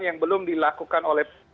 yang belum dilakukan oleh